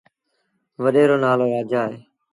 وڏي رو نآلو رآجآ اهي